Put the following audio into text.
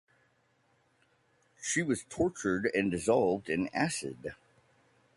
She was tortured and dissolved in acid.